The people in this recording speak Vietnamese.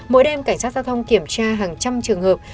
mỗi đêm cảnh sát giao thông kiểm tra hàng trăm trường hợp